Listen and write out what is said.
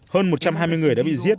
hơn một trăm hai mươi người đã bị giết